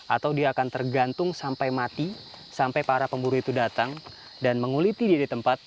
atau dia akan tergantung sampai mati sampai para pemburu itu datang dan menguliti dia di tempat